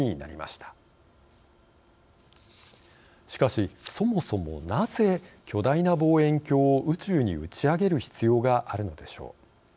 しかしそもそもなぜ巨大な望遠鏡を宇宙に打ち上げる必要があるのでしょう。